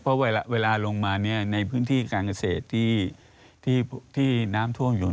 เพราะเวลาลงมาในพื้นที่การเกษตรที่น้ำท่วมอยู่